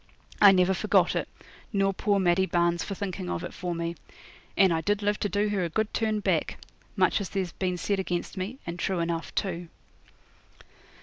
I never forgot it, nor poor Maddie Barnes for thinking of it for me. And I did live to do her a good turn back much as there's been said again me, and true enough, too.